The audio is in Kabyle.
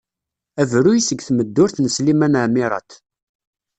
Abruy seg tmeddurt n Sliman Ɛmirat.